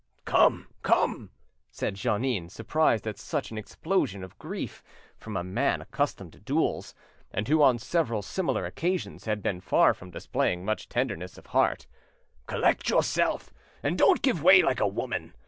"Come, come," said Jeannin, surprised at such an explosion of grief from a man accustomed to duels, and who on several similar occasions had been far from displaying much tenderness of heart, "collect yourself, and don't give way like a woman.